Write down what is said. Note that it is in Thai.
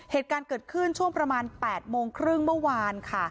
เหตุการณ์เกิดขึ้นช่วงประมาณ๘โมงครึ่งเมื่อวานค่ะ